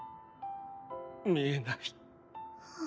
みえない。